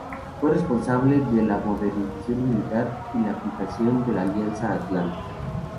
Fue el responsable de la modernización militar y la aplicación de la Alianza Atlántica.